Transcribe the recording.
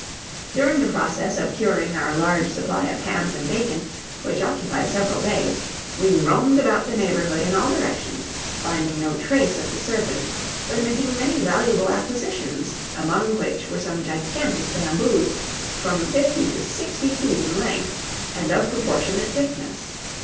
During the process of curing our large supply of hams and bacon, which occupied several days, we roamed about the neighborhood in all directions, finding no trace of the serpent, but making many valuable acquisitions, among which were some gigantic bamboos, from fifty to sixty feet in length and of proportionate thickness.